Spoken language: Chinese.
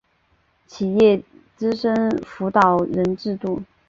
企业资深辅导人制度